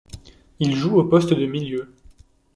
Il joue au poste de milieu.